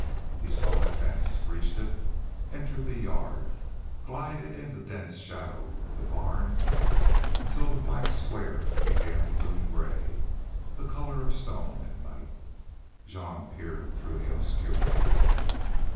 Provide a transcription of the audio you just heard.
He saw the fence, reached it, entered the yard, glided in the dense shadow of the barn until the black square began to loom gray the color of stone at night. Jean peered through the obscurity.